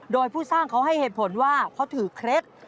โดยผู้สร้างเขาให้เหตุผลว่าเขาถือเคล็ด